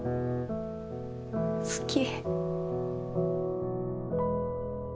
好き。